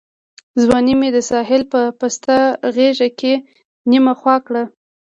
ځواني مي د ساحل په پسته غېږ کي نیمه خوا کړه